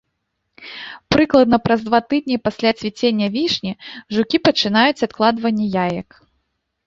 Прыкладна праз два тыдні пасля цвіцення вішні, жукі пачынаюць адкладванне яек.